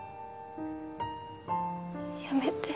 やめて。